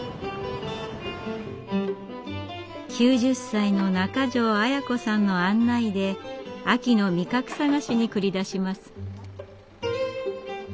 ９０歳の中條アヤ子さんの案内で秋の味覚探しに繰り出します。